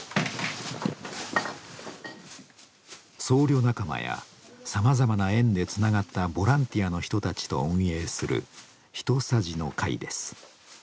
僧侶仲間やさまざまな縁でつながったボランティアの人たちと運営する「ひとさじの会」です。